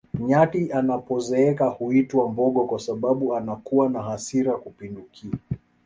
nyati anapozeeka huitwa mbogo kwa sababu anakuwa na hasira kupindukia